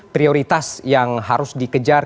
prioritas yang harus dikejar